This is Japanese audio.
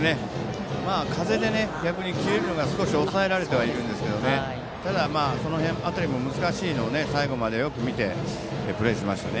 風でね、逆に切れるのが少し抑えられてはいるんですがただ、その辺りも難しいのを最後までよく見てプレーしました。